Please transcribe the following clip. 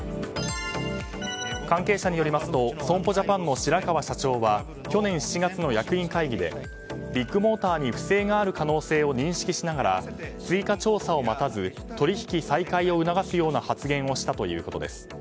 関係者によりますと損保ジャパンの白川社長は去年７月の役員会議でビッグモーターに不正がある可能性を認識しながら追加調査を待たず取引再開を促すような発言をしたということです。